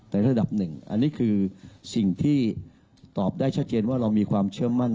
ระดับหนึ่งอันนี้คือสิ่งที่ตอบได้ชัดเจนว่าเรามีความเชื่อมั่น